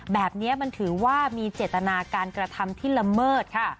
แบบนี้มันถือว่ามีเจตนาการกระทำที่ละเมิดค่ะ